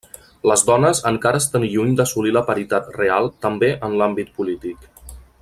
Les dones encara estan lluny d’assolir la paritat real també en l'àmbit polític.